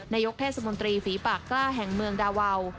นายกเทศมนตรีฝีปากกล้าแห่งเมืองดาวาว